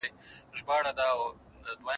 میندي د ټولني په روزنه کي مهم رول لري.